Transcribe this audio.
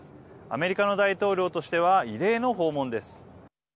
アメリカの大統領としては異例の訪問です。